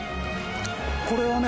これはね